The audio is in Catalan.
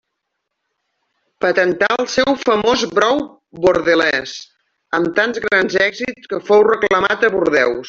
Patentà el seu famós brou bordelés, amb tants grans èxits que fou reclamat a Bordeus.